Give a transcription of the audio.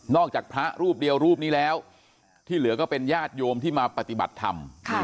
จากพระรูปเดียวรูปนี้แล้วที่เหลือก็เป็นญาติโยมที่มาปฏิบัติธรรม